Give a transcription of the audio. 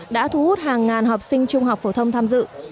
đã thu hút hàng ngàn học sinh trung học phổ thông tham dự